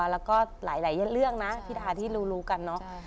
แล้วก็หลายเรื่องนะพี่ดาที่รู้กันเนอะ